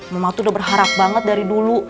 mama tuh udah berharap banget dari dulu